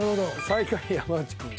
最下位山内くん。